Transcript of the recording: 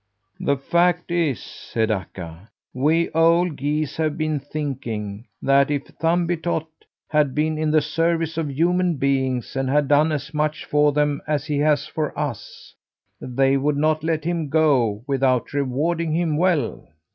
"The fact is," said Akka, "we old geese have been thinking that if Thumbietot had been in the service of human beings and had done as much for them as he has for us they would not let him go without rewarding him well."